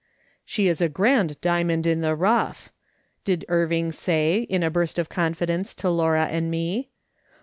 " She is a grand diamond in the rough !" did Irving say, in a burst of confidence, to Laura and me.